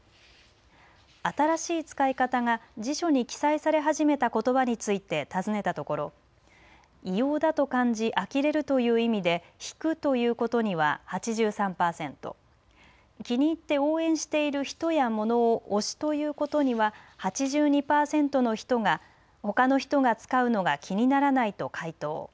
新しい使い方が辞書に記載され始めたことばについて尋ねたところ異様だと感じあきれるという意味で引くということには８３パーセント気に入って応援している人や物を推しということには８２パーセントの人がほかの人が使うのは気にならないと回答。